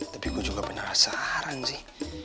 tapi gue juga penasaran sih